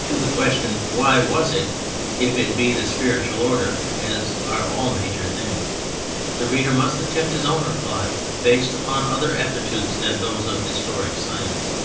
To the question, "Why was it?" if it be in the spiritual order (as are all major things), the reader must attempt his own reply based upon other aptitudes than those of historic science.